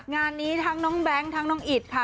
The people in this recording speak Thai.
งานนี้ทั้งน้องแบงค์ทั้งน้องอิดค่ะ